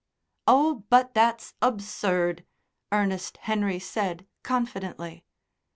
"Oh, but that's absurd!" Ernest Henry said confidently.